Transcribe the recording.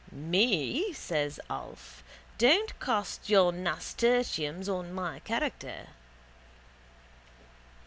—Me? says Alf. Don't cast your nasturtiums on my character.